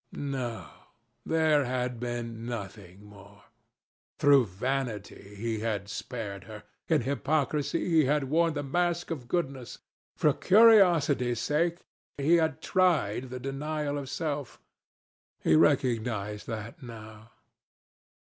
... No. There had been nothing more. Through vanity he had spared her. In hypocrisy he had worn the mask of goodness. For curiosity's sake he had tried the denial of self. He recognized that now.